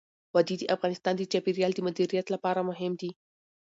وادي د افغانستان د چاپیریال د مدیریت لپاره مهم دي.